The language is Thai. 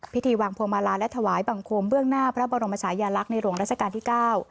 พระบรมชายาลักษณ์ในหลวงราชการที่๙